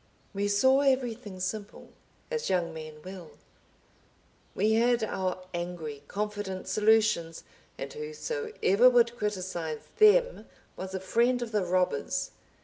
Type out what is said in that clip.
We saw everything simple, as young men will. We had our angry, confident solutions, and whosoever would criticize them was a friend of the robbers.